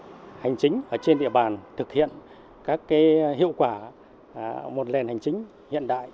các cơ quan hành chính trên địa bàn thực hiện các hiệu quả một lền hành chính hiện đại